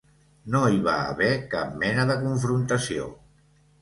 No hi va haver cap mena de confrontació.